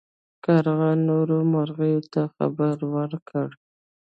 کارغه نورو مرغیو ته خبر ورکړ.